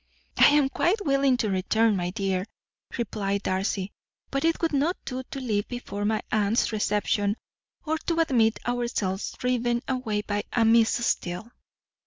"I am quite willing to return, my dear," replied Darcy; "but it would not do to leave before my aunt's reception, or to admit ourselves driven away by a Miss Steele."